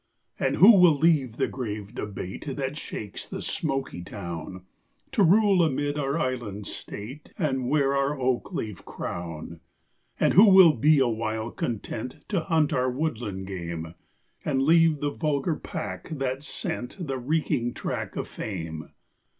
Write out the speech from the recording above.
And who will leave the grave debate That shakes the smoky town, To rule amid our island state, And wear our oak leaf crown? And who will be awhile content To hunt our woodland game, And leave the vulgar pack that scent The reeking track of fame?